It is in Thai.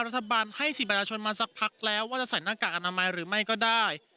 รัฐบาลให้สิทธิประชาชนมาสักพักแล้วว่าจะใส่หน้ากากอนามัยหรือไม่ก็ได้